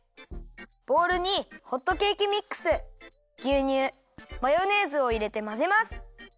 ボウルにホットケーキミックスぎゅうにゅうマヨネーズをいれてまぜます！